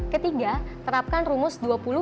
ketiga terapkan rumus dua puluh dua puluh